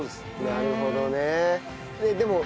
なるほどね。